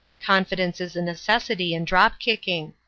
Confidence is a necessity in drop kicking.